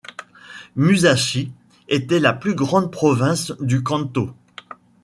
Musashi était la plus grande province du Kantō.